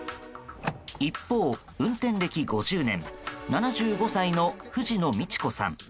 一方、運転歴５０年７５歳の藤野道子さん。